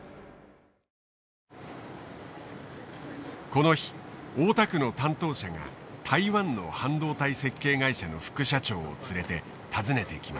この日大田区の担当者が台湾の半導体設計会社の副社長を連れて訪ねてきました。